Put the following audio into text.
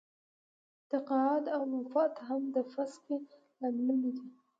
تقاعد او وفات هم د فسخې لاملونه دي.